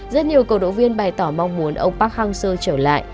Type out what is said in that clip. rất nhiều cầu động viên bày tỏ mong muốn ông park hang seo trở lại